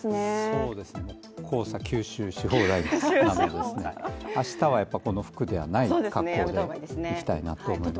そうですね、黄砂吸収し放題なので明日はこの服ではない格好で行きたいと思います。